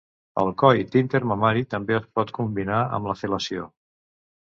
El coit intermamari també es pot combinar amb la fel·lació.